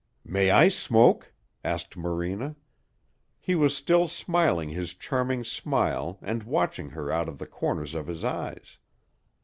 "May I smoke?" asked Morena. He was still smiling his charming smile and watching her out of the corners of his eyes.